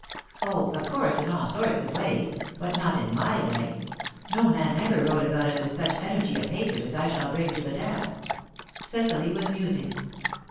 "Oh, of course, in all sorts of ways. But not in my way. No man ever wrote about it with such energy of hatred as I shall bring to the task." Cecily was musing.